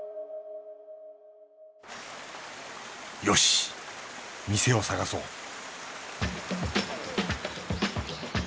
よし店を探そう